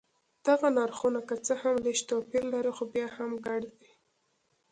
دغه نرخونه که څه هم لږ توپیر لري خو بیا هم ګډ دي.